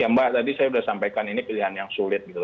ya mbak tadi saya sudah sampaikan ini pilihan yang sulit gitu